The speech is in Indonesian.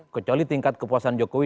kecuali tingkat kepuasan jokowi